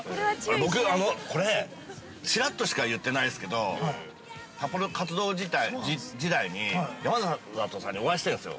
◆僕、これ、ちらっとしか言ってないんですけど、札幌活動時代に山里さんにお会いしてるんですよ。